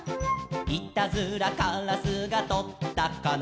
「いたずらからすがとったかな」